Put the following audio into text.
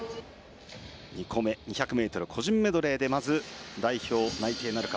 ２個メ２００ｍ個人メドレーでまず代表内定なるか。